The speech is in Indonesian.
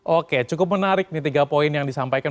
oke cukup menarik nih tiga poin yang disampaikan